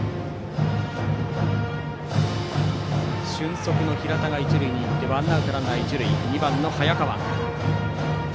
俊足の平田が一塁に行ってワンアウトランナー、一塁で２番の早川。